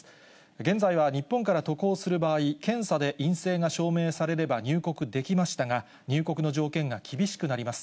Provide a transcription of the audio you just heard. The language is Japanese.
現在は日本から渡航する場合、検査で陰性が証明されれば入国できましたが、入国の条件が厳しくなります。